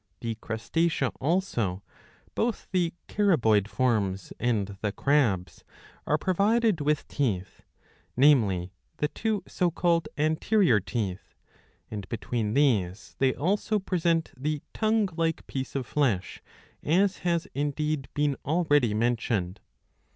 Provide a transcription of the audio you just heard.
The Crustacea also, both the Caraboid forms and the Crabs,''^ are provided with teeth, namely the two so called anterior teeth ; and between these they also present the tongue like piece of flesh, as has indeed been already mentioned.